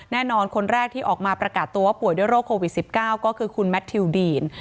แน่นอนคนแรกที่ออกมาประกาศตัวว่าป่วยด้วยโรคโควิด๑๙ก็คือคุณแมททิวดีน